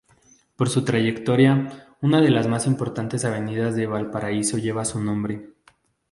Por su trayectoria, una de las más importantes avenidas de Valparaíso lleva su nombre.